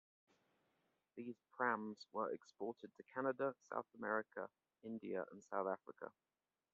These prams were exported to Canada, South America, India and South Africa.